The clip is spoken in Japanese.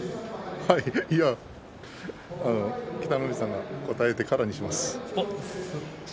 いや北の富士さんが答えてからにします。